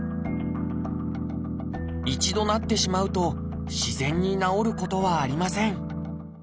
一度なってしまうと自然に治ることはありません。